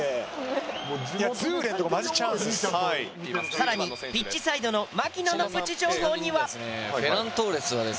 さらにピッチサイドの槙野のプチ情報には。